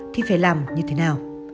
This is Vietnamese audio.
thì phải làm như thế nào